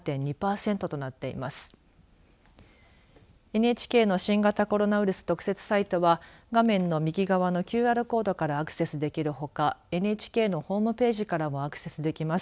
ＮＨＫの新型コロナウイルス特設サイトは画面の右側のＱＲコードからアクセスできるほかＮＨＫのホームページからもアクセスできます。